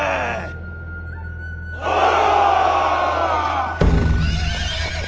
おお！